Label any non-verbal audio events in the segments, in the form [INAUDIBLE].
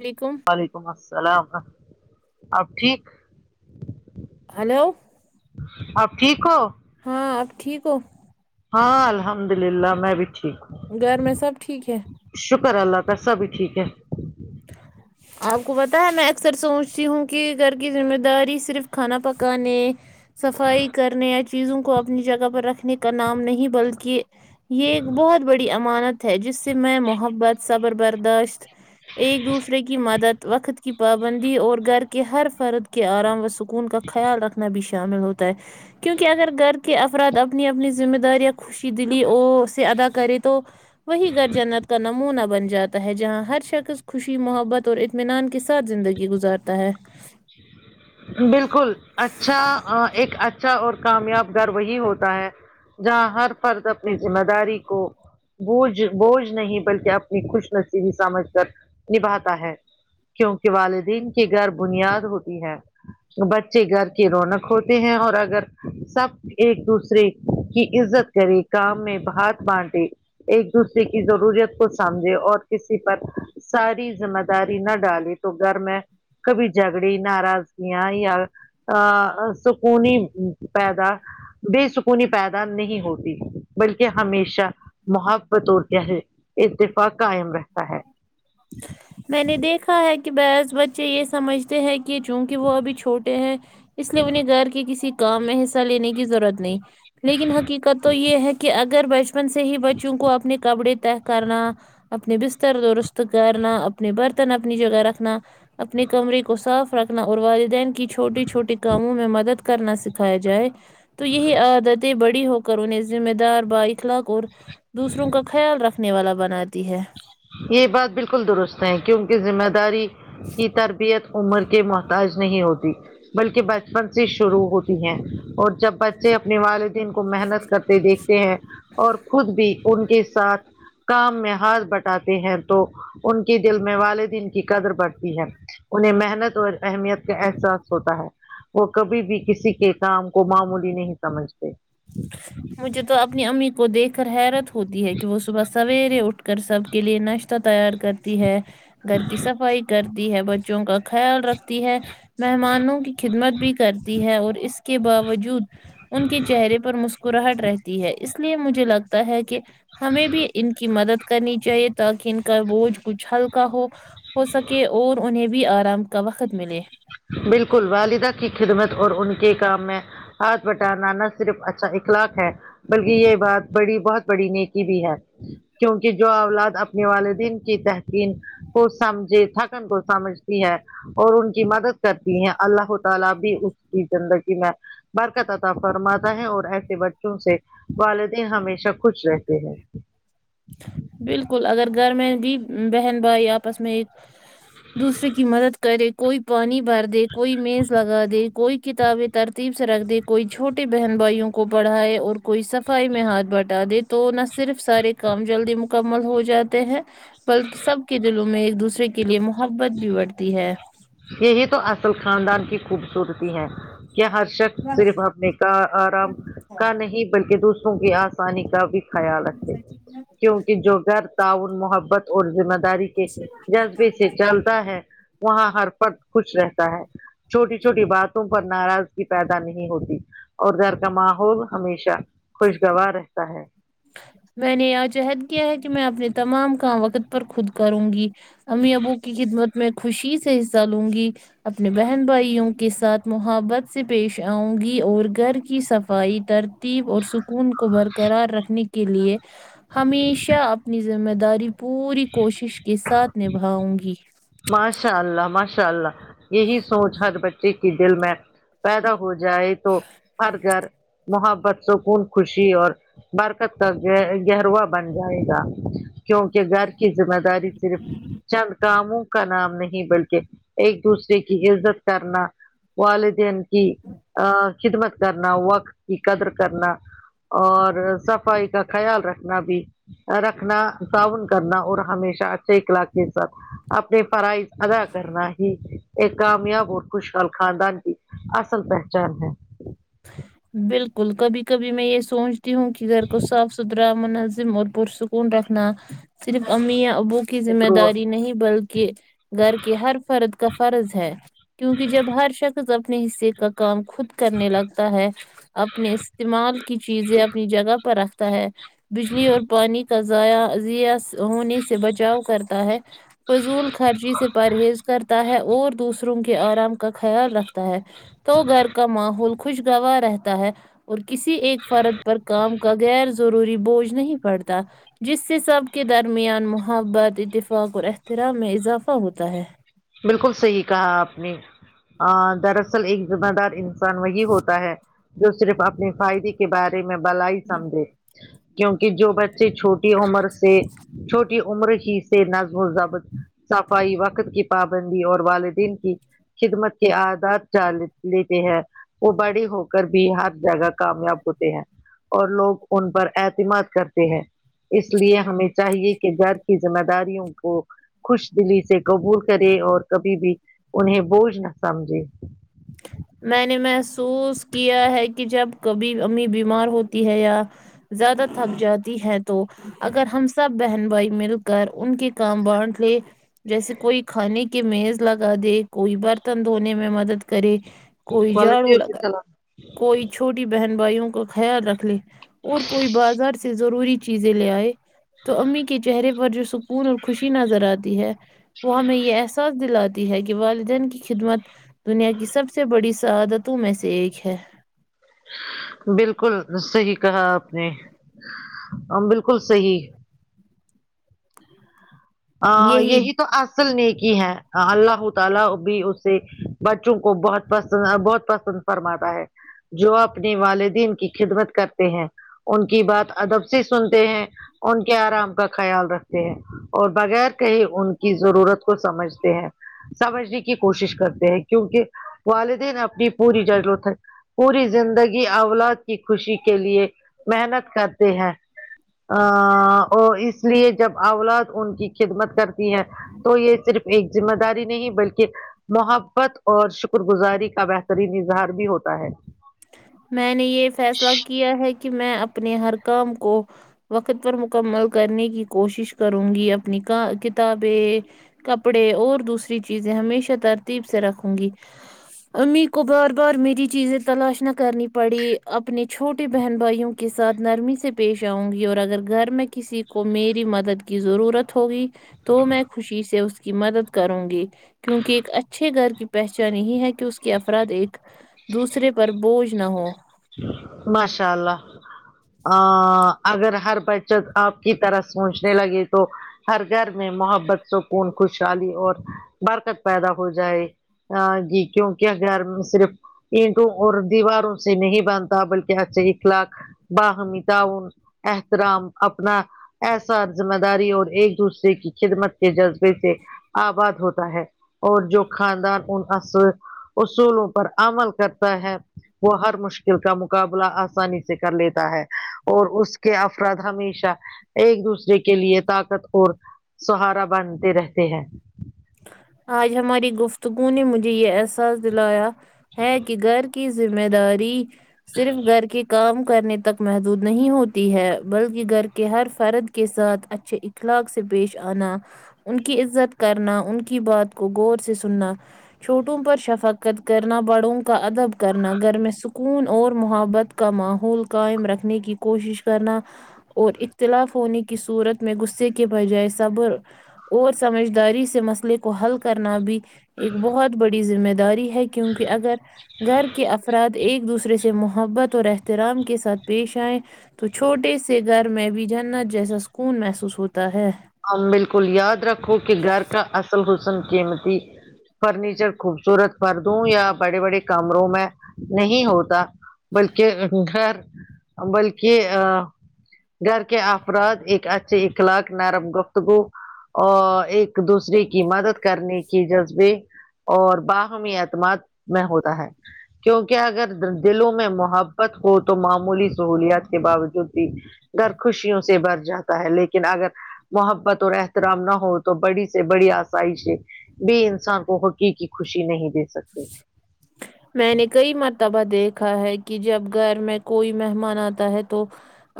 علکم وعلیکم السلام اپ ٹھیک ہیلو اپ ٹھیک ہو ہاں اپ ٹھیک ہو ہاں الحمد للہ میں بھی ٹھیک ہوں گھر میں سب ٹھیک ہے شکر اللہ کا سبھی ٹھیک ہے آپ کو پتا ہے میں اکثر سوچتی ہوں کہ گھر کی ذمہ داری صرف کھانا پکانے صفائی کرنے یا چیزوں کو اپنی جگہ پر رکھنے کا نام نہیں بلکہ یہ ایک بہت بڑی امانت ہے جس سے میں محبت صبر برداشت ایک دوسرے کی مدد وقت کی پابندی اور گھر کے ہر فرد کے آرام و سک کون کا خیال رکھنا بھی شامل ہوتا ہے کیونکہ اگر گھر کے افراد اپنی اپنی ذمہ داریاں خو شیدلی ا سے ادا کرے تو وہی گھر جنت کا نمونہ بن جاتا ہے جہاں ہر شخص خوشی محبت اور اطمینان کے ساتھ زندگی گزارتا ہے بالکل اچھا ایک اچھا اور کامیاب گھر وہی ہوتا ہے جہاں ہر فرد اپنی ذمہ داری کو بوجھ بوجھ نہیں بلکہ اپنی خوش نصیبی سمجھ کر نبھاتا ہے کیونکہ والدین کی گھر بنیاد ہوتی ہے بچے گھر کی رونق ہوتے ہیں اور اگر سب ایک دوسرے کی عزت کرے کام میں ہاتھ بانٹے ایک دوسرے کی ضرورت کو سمجھے اور کسی پر ساری ذمداری نہ ڈالی تو گھر میں کبھی جھگڑے ناراض یا یارا سکون ہی پیدا بےسکونی پیدا نہیں ہوتی بلکہ ہمیشہ محبت اور کہے اتفاق قائم رہتا ہے میں نے دیکھا ہے کہ بعض بچے یہ سمجھ تے ہے کی چونکہ وہ ابھی چھوٹے ہیں اس لیے انہیں گھر کے کسی کام میں حصہ لینے کی ضرورت نہیں لیکن حقیقت تو یہ ہے کہ اگر بچ پن سے ہی بچوں کو اپنے کپڑے طے کرنا اپنے بستر دست کرنا اپنے برتن اپنی جگہ رکھنا اپنے کمرے کو صاف رکھنا اور والدین کے چھوٹے چھوٹے کاموں میں مدد کرنا سکھایا جائے تو یہی عادتیں بڑی ہو کر انہیں ذمہ دار با اخلاق اور دوسروں کا خیال رکھنے والا بناتی ہے یہ بات بالکل درست ہے کیونکہ ذمہ داری کی تربیت عمر کے محتاج نہیں ہوتی بلکہ بچپن سے شروع ہوتی ہیں اور جب بچے اپنے والدین کو محنت کرتے دیکھتے ہیں اور خود بھی ان کے ساتھ کام میں ہاتھ بٹ تا کہ ہیں تو ان کے دل میں والدین کی قدر بڑھتی ہے انہیں محنت اور اہمیت کا احساس ہوتا ہے وہ کبھی بھی کسی کے کام کو معمولی نہیں سمجھتے مجھے تو اپنی امی کو دیکھ کر حیرت ہوتی ہے کہ وہ صبح سویرے اٹھ کر سب کے لیے ناشتہ تیار کرتی ہے گھر کی صفائی کرتی ہے بچوں کا خیال رکھتی ہے مہمانوں کی خدمت بھی کرتی ہے اور اس کے باوجود ان کے چہرے پر مسکراہٹ رہتی ہے اس لیے مجھے لگتا ہے کہ ہمیں بھی ان کی مدد کرنی چاہیے تاکہ ان کا بوجھ کچھ ہلکا ہو ہو سکے اور انہیں بھی آرام کا وقت ملے بالکل والدہ کی خدمت اور ان کے کام میں ہاتھ بٹانہ نا صرف اچھا اخلاق ہے بلکہ یہ بات بڑی بہت بڑی نیکی بھی ہے کیونکہ جو اولاد اپنے والدین کی بہترین کو سمجھے تھکن کو سمجھتی ہے اور ان کی مدد کرتی ہیں اللہ تعالی بھی اس کی زندگی میں برکت عطا فرماتا ہے اور ایسے بچوں سے والدین ہمیشہ خوش رہتے ہیں بالکل اگر گھر میں جی بہن بائی آپس میں دوسرے کی مدد کرے کوئی پانی بھر دے کوئی میز لگا دے کوئی کتابیں ترتیب سے رکھ دے کوئی چھوٹے بہن بھائیوں کو پڑھائے اور کوئی صفائی میں ہاتھ بٹا دے تو نہ صرف سارے کام جلدی مکمل ہو جاتے ہیں بلکہ سب کے دلوں میں ایک دوسرے کے لیے محبت بھی بڑھتی ہے یہی تو اصل خاندان کی خوبصورتی ہے کے ہر شخص صرف اپنے کا آرام کا نہیں بلکہ دوسروں کی آسانی کا بھی خیال رکھے کیونکہ جو گھر تعاون محبت اور ذمہ داری کے جذبے سے چلتا ہے وہاں ہر فرد خوش رہتا ہے چھوٹی چھوٹی باتوں پر ناراضگی پیدا نہیں ہوتی اور گھر کا ماحول ہمیشہ خوشگوار رہتا ہے میں نے اج عہد کیا ہے کہ میں اپنے تمام کام وقت پر خود کروں گی امی ابو کی خدمت میں خوشی سے حصہ لوں گی اپنے بہن بھائیوں کے ساتھ محبت سے پیش آؤں گی اور گھر کی صفائی تر تیب اور سکون کو برقرار رکھنے کے لئے ہمیشہ اپنی ذمہ داری پوری کوشش کے ساتھ نبھاؤں گی ماشاء اللہ ماشاء اللہ یہی سوچ ہر بچے کی دل میں پیدا ہو جائے تو ہر گھر محبت سکون خوشی اور برکت کا گہروا بن جائے گا کیونکہ گھر کی ذمہ داری صرف چند کاموں کا نام نہیں بلکہ ایک دوسرے کے عزت کرنا والدین کی خدمت کرنا وقت کی قدر کرنا اور صفائی کا خیال رکھنا بھی رکھنا طاعون کرنا اور ہمیشہ اچھے اخلاق کے ساتھ اپنے فرائض ادا کرنا ہی ایک کامیاب اور خوشحال خاندان کی اصل پہچان ہے ہ [INAUDIBLE] بالکل کبھی کبھی میں یہ سوچتی ہوں کہ گھر کو صاف ستھرا منظم اور پرسکو کون رکھنا صرف امی یا ابو کی ذمہ داری نہیں بلکہ گھر کے ہر فرد کا فرض ہے کیونکہ جب ہر شخص اپنے حصے کا کام خود کرنے لگتا ہے اپنے استعمال کی چیزیں اپنی جگہ پر تا ہے بجلی اور پانی کا ضائع ضیا ہونے سے بچاؤ کرتا ہے فضول خرچی سے پرہیز کرتا ہے اور دوسرے روم کے آرام کا خیال رکھتا ہے تو گھر کا ماحول خوشگوار رہتا ہے اور کسی ایک فرد پر کام کا غیر ضروری بوجھ نہیں پڑتا جس سے سب کے درمیان محبت اتفاق اور احترام میں اضافہ ہوتا ہے بالکل صحیح کہا آپ نے دراصل ایک ذمہ دار انسان وہی ہوتا ہے جو صرف اپنے فائدے بارے میں بلائی سمجھے کیونکہ جو بچے چھوٹی عمر سے چھوٹی یہ عمر ہی سے نظم و ضبط صفائی وقت کی پابندی اور والدین کی خدمت کے آداد ڈال لیتے ہیں وہ بڑی ہو کر بھی ہر جگہ کامیاب ہوتے ہیں اور لوگ ان پر اعتماد کرتے ہیں اس لیے ہمیں چاہیے کہ گھر کی ذمہ داریوں کو خوش دلی سے قبول کرے اور کبھی بھی انہیں بوجھ نہ سمجھے میں نے محسوس کیا ہے کہ جب کبھی امی بیمار ہوتی ہے یا زیادہ تھک جاتی ہے تو اگر ہم سب بہن بھائی مل کر ان کے کام بانٹ لے جیسے کوئی کھانے کی میز لگا دے کوئی برتن دھونے میں مدد کرے کوئی جاڑو وعلیکم لگا السلام۔ کوئی چھوٹی بہن بھائیوں کا خیال رکھ لے اور کوئی بازار سے ضروری چیزیں لے آئے تو امی کے چہرے پر جو س کون اور خوشی نظر آتی ہے وہ ہمیں یہ احساس دلا تی ہے کہ والدین کی خدمت دنیا کی سب سے بڑی سعادت تو میں سے ایک ہے بالکل صحیح کہا آپ نے بالکل صحیح ا یہی یہ ہی تو اس فل نیکی ہے اللہ تعالی بھی اسے بچوں کو بہت پسند بہت پسند فرماتا ہے جو اپنے والدین کی خدمت کرتے ہیں ان کی بات ادب سے سنتے ہیں ان کے آرام کا خیال رکھتے ہیں اور بغیر کہیں ان کی ضرورت کو سمجھتے ہیں سمجھنے کی کوشش کرتے ہیں کیونکہ والدین اپنی پوری ضرورت ہے پوری زندگی اولاد کی خوشی کے لیے محنت کرتے ہیں آ اور اس لیے جب اولاد ان کی خدمت کرتی ہیں تو یہ صرف ایک ذمہ داری نہیں بلکہ محبت اور شکر گزاری کا بہترین اظہار بھی ہوتا ہے میں نے یہ فیصلہ کیا ہے کہ میں اپنے ہر کام کو وقت پر مکمل کرنے کی کوشش کروں گی اپنی کا کتابیں کپڑے اور دوسری چیزیں ہمیشہ ترتیب سے رکھوں گی امی کو بار بار میری چیزیں تلاش نہ کرنی پڑی اپنے چھوٹے بہن بھائیوں کے ساتھ نرمی سے پیش آؤں گی اور اگر گھر میں کسی کو میری مدد کی ضرورت ہوگی تو میں خوشی سے اس کی مدد کروں گی کیونکہ ایک اچھے گھر کی پہچان یہی ہے کہ اس کے افراد ایک دوسرے پر بوجھ نہ ہو ماشاء اللہ ا اگر ہر بچت آپ کی طرح سوچنے لگے تو ہر گھر میں محبت سکون خوشحالی اور برکت پیدا ہو جائے آ گی کیونکہ گھر میں صرف اینٹوں اور دیواروں سے نہیں بنتا بلکہ اچھے اخلاق باہمی تعاون احترام اپنا احساس ذمہ داری اور ایک دوسرے کی خدمت کے جذبے سے آباد ہوتا ہے اور جو خاندان ان اصر اصولوں پر عمل کرتا ہے وہ ہر مشکل کا مقابلہ آسانی سے کر لیتا ہے اور اس کے افراد ہمیشہ ایک دوسرے کے لیے طاقت اور سہارا بنتے رہتے ہیں آج ہماری گفتگو نے مجھے یہ احساس دلایا ہے کہ گھر کی ذمہ داری صرف گھر کے کام کرنے تک محدود نہیں ہوتی ہے بلکہ گھر کے ہر فرد کے ساتھ اچھے اخلاق سے پیش آنا ان کی عزت کرنا ان کی بات کو غور سے سننا چھوٹوں پر شفقت کرنا بڑوں کا ادب کرنا گھر میں سکون اور محبت کا ماحول قائم رکھنے کی کوشش کرنا اور اختلاف ہونے کی صورت میں غصے کے بجائے صبر اور سمجھداری سے مسئلے کو حل کرنا بھی ایک بہت بڑی ذمہ داری ہے کہ کیونکہ اگر گھر کے افراد ایک دوسرے سے محبت اور احترام کے ساتھ پیش آئےیں تو چھوٹے سے گھر میں بھی جنت جیسا سکون محسوس ہوتا ہے ہم بالکل یاد رکھو کہ گھر کا اصل حسن قیمتی فرنیچر خوبصورت پردوں یا بڑے بڑے کمروں میں نہیں ہوتا بلکہ گھر بلکہ آ گھر کے افراد ایک اچھے اخلاق نرم گفتگو اور ایک دوسرے کی مدد کرنے کی جذبے اور باہمی اعتماد میں ہوتا ہے کیونکہ اگر دلوں میں محبت ہو تو معمولی سہولیات کے باوجود بھی گھر خوشیوں سے بھر جاتا ہے لیکن اگر محبت اور احترام نہ ہو تو بڑی سے بڑی آسایشئیں بھی انسان کو حقیقی خوشی نہیں دے سکتے [INAUDIBLE] میں نے کئی مرتبہ دیکھا ہے کہ جب گھر میں کوئی مہمان آتا ہے تو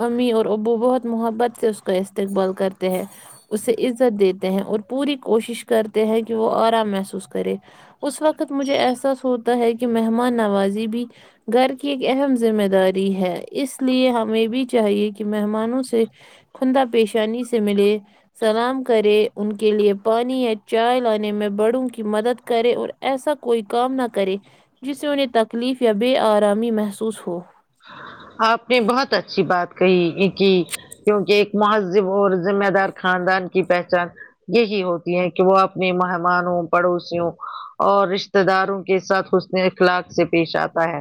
امی اور ابو بہت محبت سے اس کا استقبال کرتے ہیں اسے عزت دی تے ہیں اور پوری کوشش کرتے ہیں کہ وہ آرام محسوس کرے اس وقت تک مجھے احساس ہوتا ہے کہ مہمان نوازی بھی گھر کی ایک اہم ذمہ داری ہے اس لیے ہمیں بھی چاہیے کہ مہمانوں سے خندہ پیشانی سے ملے سلام کرے ان کے لیے پانی یا چائے لانے میں بڑوں کی مدد کرے اور ایسا کوئی کام نہ کرے جس سے انہیں تکلیف یا بے آرامی محسوس ہو آپ نے بہت اچھی بات کہی یہ کی کیونکہ ایک مہذب اور ذمہ دار خاندان کی پہچان یہی ہوتی ہے کہ وہ اپنے مہمانوں پڑوسیوں اور رشتتے داروں کے ساتھ حسن اخلاق سے پیش آتا ہے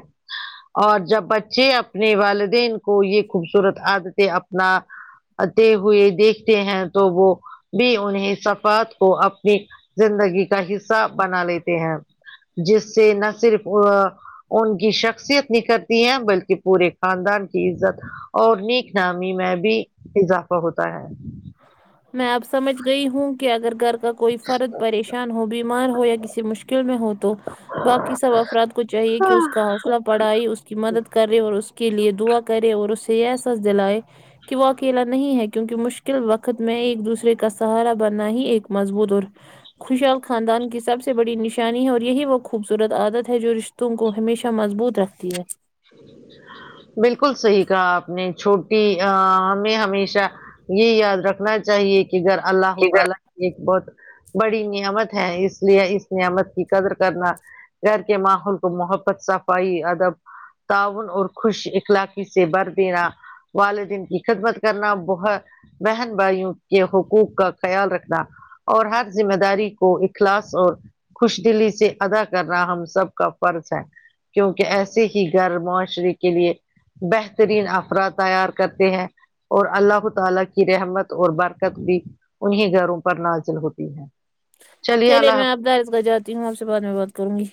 اور جب بچ ے اپنے والدین کو یہ خوبصورت عادتیں اپنا تے ہوئے دیکھتے ہیں تو وہ بھی انہیں صفات کو اپنی زندگی کا حصہ بنا لیتے ہیں جس سے نہ صرف ان کی شخصیت نہیں کرتی ہے بل کہ پورے خاندان کی عزت اور نیک نامی میں بھی اضافہ ہوتا ہے میں اب سمجھ گئی ہوں کہ اگر گھر کا کوئی فرد پریشان ہو بیمار ہو یا کسی مشکل میں ہو تو باقی سب افراد کو چاہیے کہ اس کا حوصلہ بڑھائے اس کی مدد کرے اور اس کے لئے دعا کریں اور اسے یہ احساس دلائے کہ وہ اکیلا نہیں ہے کیونکہ مشکل وقت میں ایک دوسرے کا سہارا بننا ہی ایک مضبوط اور خوشحال خاندان کی سب سے بڑی نشانی ہے اور یہی وہ خوبصورت عادت ہے جو رشتوں کو ہمیشہ مضبوط رکھتی ہے بالکل صحیح کہا آپ نے چھوٹی ا میں ہمیشہ یہ یاد رکھنا چاہیے کہ اگر اللہ ھو تعالی کی ایک بہت بڑی نعمت ہے اس لیے اس نعمت کی قدر کرنا گھر کے ماحول کو محبت صفائی ادب تعاون اور خوش اخلاقی سے بھر دینا والدین کی خدمت کرنا بہت بہن بھائیوں کے حقوق کا خیال رکھنا اور ہر ذمہ داری کو اخلاص اور خوش دلی سے ادا کرنا ہم سب کا فرض ہے کیونکہ ایس ے ہی گھر معاشرے کے لیے بہترین افراد تیار کرتے ہیں اور اللہ ھو تعالی کی رحمت اور برکت بھی انہیں گھروں پر نازل ہوتی ہے چلیے چلے اللہ حافظ میں آب دس بجاتی ہوں آپ سے بعد میں بات کروں گی